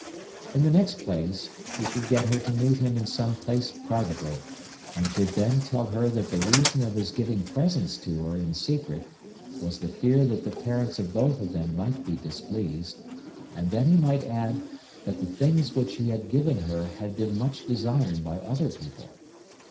In the next place he should get her to meet him in some place privately, and should then tell her that the reason of his giving presents to her in secret was the fear that the parents of both of them might be displeased, and then he may add that the things which he had given her had been much desired by other people.